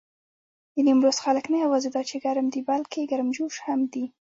د نيمروز خلک نه یواځې دا چې ګرم دي، بلکې ګرمجوش هم دي.